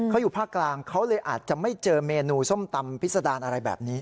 เขาอยู่ภาคกลางเขาเลยอาจจะไม่เจอเมนูส้มตำพิษดารอะไรแบบนี้